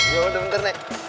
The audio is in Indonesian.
yaudah bentar nek